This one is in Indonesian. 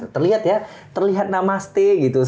terlihat ya terlihat namaste gitu